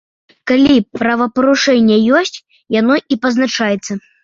Калі правапарушэнне ёсць, яно і пазначаецца.